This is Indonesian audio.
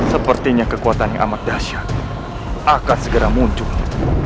sepertinya kekuatan yang amat dahsyat akan segera muncung